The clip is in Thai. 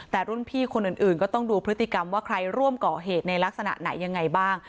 แต่รุ่นพี่คนอื่นก็ต้องดูพฤติกรรมว่าใครร่วมก่อเหตุในลักษณะไหนยังไงบ้าง